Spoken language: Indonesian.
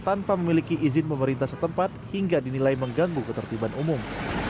tanpa memiliki izin pemerintah setempat hingga dinilai mengganggu ketertiban umum